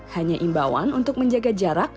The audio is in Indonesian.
hanya imbauan untuk menjaga jarak